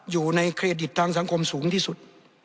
อยู่ในเครดิตทางสังคมสูงที่สุด